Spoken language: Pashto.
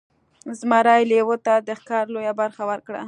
زمري لیوه ته د ښکار لویه برخه ورکړه.